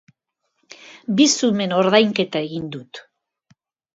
Bizumen ordainketa egin dut.